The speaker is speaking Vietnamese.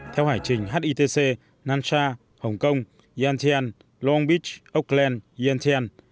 theo hải trình hitc nansha hồng kông yantian long beach oakland yantian